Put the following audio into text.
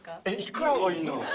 幾らがいいんだろう？